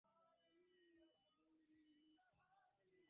The Ghawazi performed unveiled in the streets.